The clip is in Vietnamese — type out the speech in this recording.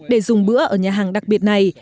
để dùng bữa ở nhà hàng đặc biệt này